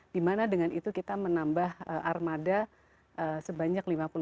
dimana dengan itu kita menambah armada sebanyak lima puluh